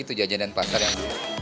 itu jajanan pasar yang